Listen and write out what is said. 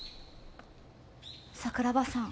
桜庭さん。